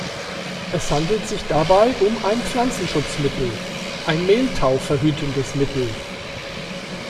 Es handelt sich dabei um ein Pflanzenschutzmittel, ein mehltauverhütendes Mittel.